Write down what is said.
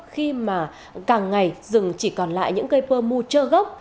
khi mà càng ngày rừng chỉ còn lại những cây pơ mu trơ gốc